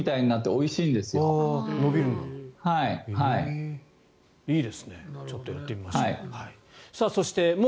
いいですねちょっとやってみましょう。